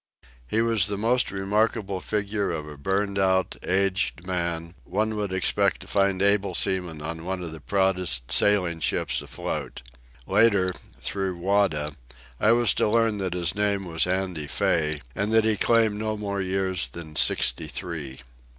He was the most remarkable figure of a burnt out, aged man one would expect to find able seaman on one of the proudest sailing ships afloat. Later, through Wada, I was to learn that his name was Andy Fay and that he claimed no more years than sixty three.